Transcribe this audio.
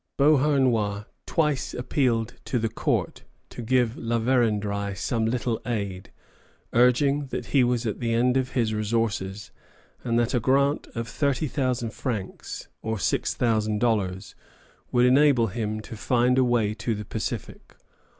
Beauharnois twice appealed to the court to give La Vérendrye some little aid, urging that he was at the end of his resources, and that a grant of 30,000 francs, or 6,000 dollars, would enable him to find a way to the Pacific.